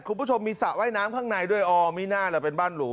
คุณผู้ชมมีสระว่ายน้ำข้างในด้วยอ๋อมีน่าล่ะเป็นบ้านหรู